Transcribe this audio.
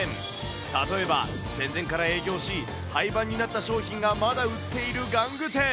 例えば、戦前から営業し、廃盤になった商品がまだ売っている玩具店。